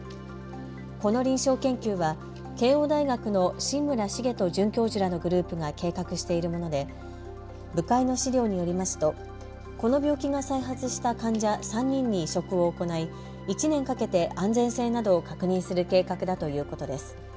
この臨床研究は慶応大学の榛村重人准教授らのグループが計画しているもので部会の資料によりますとこの病気が再発した患者３人に移植を行い１年かけて安全性などを確認する計画だということです。